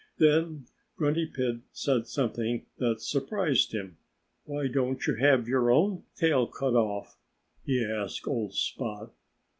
Then Grunty Pig said something that surprised him. "Why don't you have your own tail cut off?" he asked old Spot.